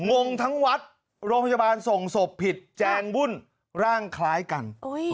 งงทั้งวัดโรงพยาบาลส่งศพผิดแจงวุ่นร่างคล้ายกัน